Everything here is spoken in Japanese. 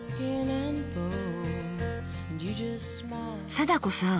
貞子さん